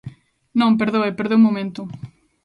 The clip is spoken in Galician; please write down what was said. Non, perdoe, perdoe un momento.